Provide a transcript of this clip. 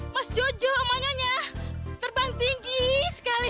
mas jojo omonyanya terbang tinggi sekali